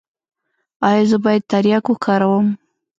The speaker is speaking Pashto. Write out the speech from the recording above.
ایا زه باید تریاک وکاروم؟